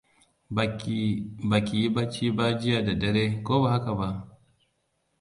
Baki yi bacci ba jiya da dare, ko ba haka ba?